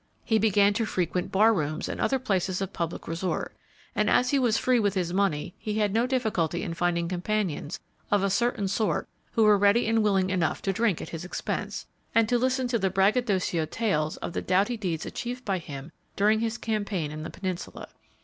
He began to frequent bar rooms and other places of public resort, and as he was free with his money he had no difficulty in finding companions of a certain sort who were ready and willing enough to drink at his expense, and to listen to the braggadocio tales of the doughty deeds achieved by him during his campaign in the Peninsula.